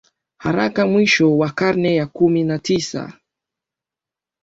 haraka Mwisho wa karne ya kumi na tisa